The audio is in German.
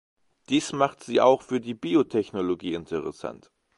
Dies macht sie auch für die Biotechnologie interessant.